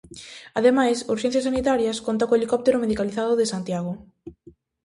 Ademais, Urxencias Sanitarias conta co helicóptero medicalizado de Santiago.